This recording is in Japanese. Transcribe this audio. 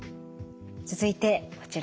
続いてこちら。